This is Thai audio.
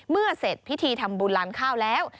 เสร็จพิธีทำบุญลานข้าวแล้ว